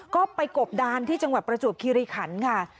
ก็ไปกบดานที่จังหวัดประจวบคิริขันค่ะ